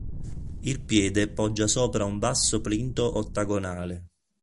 Il piede poggia sopra un basso plinto ottagonale.